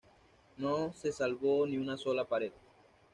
No se salvó ni una sola pared.